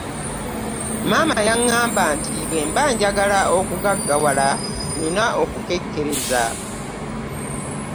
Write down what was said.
Maama yaŋŋamba nti bwe mba njagala okugagawala nnina okukekkereza.